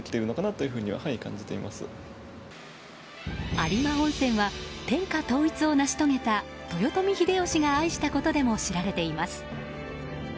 有馬温泉は天下統一を成し遂げた豊臣秀吉が愛したことでも知られています。